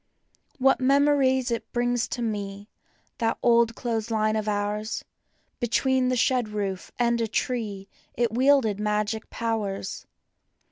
\ MEMORIES it brings to me, that old clothes line of ours; Between the shed roof and a tree it wield¬ ed magic powers.